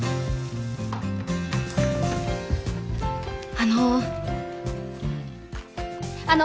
あのあの！